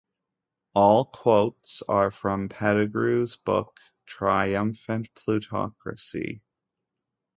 All quotes are from Pettigrew's book "Triumphant Plutocracy"